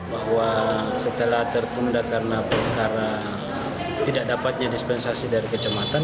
bahwa setelah tertunda karena perkara tidak dapatnya dispensasi dari kecamatan